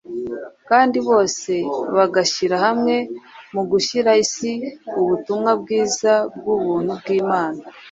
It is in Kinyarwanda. kandi bose bagashyira hamwe mu gushyira isi ubutumwa bwiza bw’ubuntu bw’Imana.